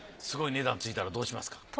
すごい値段ついたらどうしますか？